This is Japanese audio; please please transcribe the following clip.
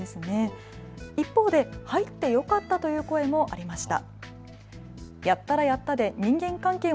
一方で入ってよかったという声もありました。